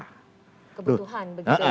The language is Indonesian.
kebutuhan begitu ya